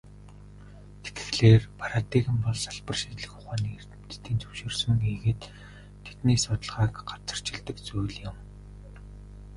Тэгэхлээр, парадигм бол салбар шинжлэх ухааны эрдэмтдийн зөвшөөрсөн хийгээд тэдний судалгааг газарчилдаг зүйл юм.